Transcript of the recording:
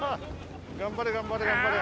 頑張れ頑張れ頑張れ。